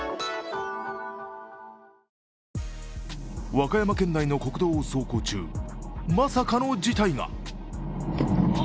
和歌山県内の国道を走行中、まさかの事態が。